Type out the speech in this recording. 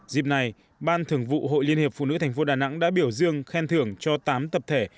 dịp này ban thưởng vụ hội liên hiệp phụ nữ thành phố đà nẵng đã biểu dương khen thưởng cho tám tập thể